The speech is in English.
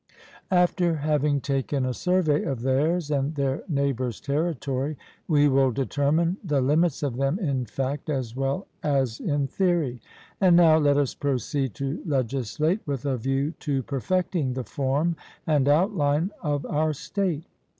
After having taken a survey of their's and their neighbours' territory, we will determine the limits of them in fact as well as in theory. And now, let us proceed to legislate with a view to perfecting the form and outline of our state.